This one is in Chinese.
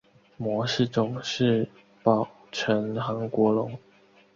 模式种是宝城韩国龙。